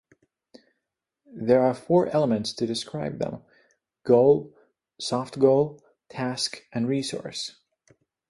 There are four elements to describe them: goal, soft goal, task and resource.